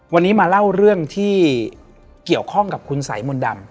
วันนี้มาเล่าเรื่องที่เกี่ยวข้องกับคุณสายมนต์ดำ